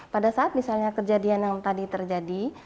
pada saat misalnya kejadian yang tadi terjadi